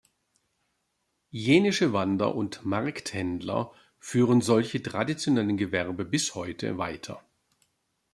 Jenische Wander- und Markt-Händler führen solche traditionellen Gewerbe bis heute weiter.